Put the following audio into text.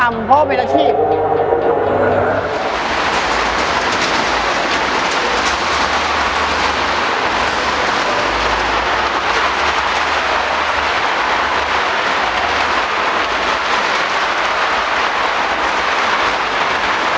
ไม่มีอะไรแน่นอน